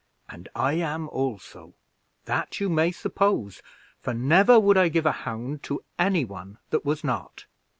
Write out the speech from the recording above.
"And I am also; that you may suppose, for never would I give a hound to any one that was not.